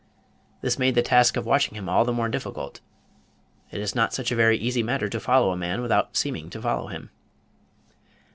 This made the task of watching him all the more difficult. It is not such a very easy matter to follow a man without seeming to follow him.